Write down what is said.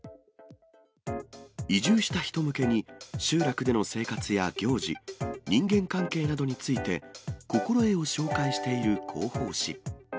移住した人向けに集落での生活や行事、人間関係などについて、心得を紹介している広報誌。